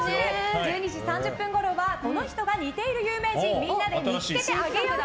１２時３０分ごろはこの人が似ている有名人みんなで見つけてあげよう会。